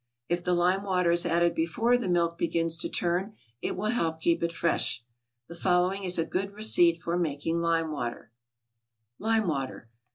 If the lime water is added before the milk begins to turn it will help keep it fresh. The following is a good receipt for making lime water: =Lime Water.